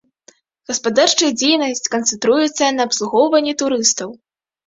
Гаспадарчая дзейнасць канцэнтруецца на абслугоўванні турыстаў.